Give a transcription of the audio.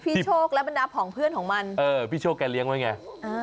พี่โชคลับบันดาผ่องเพื่อนของมันพี่โชคแกเลี้ยงไว้ไง